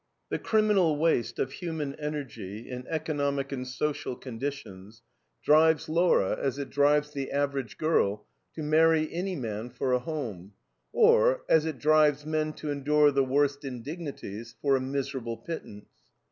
The criminal waste of human energy, in economic and social conditions, drives Laura as it drives the average girl to marry any man for a "home"; or as it drives men to endure the worst indignities for a miserable pittance.